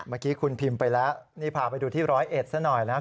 เมื่อกี้คุณพิมพ์ไปแล้วนี่พาไปดูที่ร้อยเอ็ดซะหน่อยนะครับ